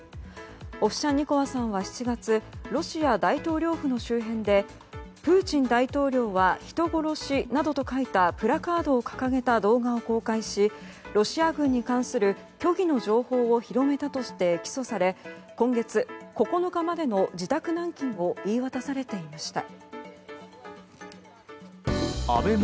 オフシャンニコワさんは７月ロシア大統領府の周辺でプーチン大統領は人殺しなどと書いたプラカードを掲げた動画を公開しロシア軍に関する虚偽の情報を広めたとして起訴され今月９日までの自宅軟禁を言い渡されていました。